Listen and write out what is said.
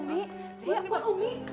ini yang si